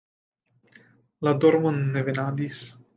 La dormo ne venadis.